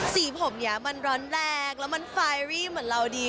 สีผมเนี่ยมันร้อนแรงแล้วมันไฟรี่เหมือนเราดี